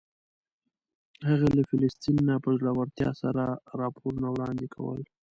هغې له فلسطین نه په زړورتیا سره راپورونه وړاندې کول.